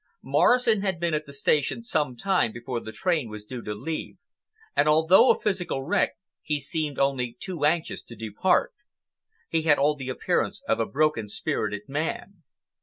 Morrison had been at the station some time before the train was due to leave, and, although a physical wreck, he seemed only too anxious to depart. He had all the appearance of a broken spirited man.